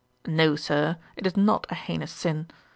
'No, Sir, it is not a heinous sin.